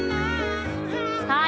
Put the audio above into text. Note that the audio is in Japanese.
はい。